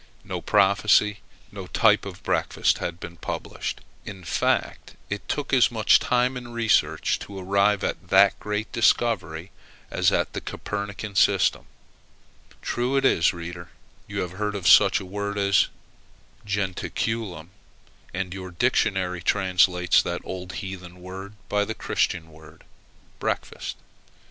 No prophecy, no type of breakfast had been published. In fact, it took as much time and research to arrive at that great discovery as at the Copernican system. True it is, reader, that you have heard of such a word as jentaculum; and your dictionary translates that old heathen word by the Christian word breakfast.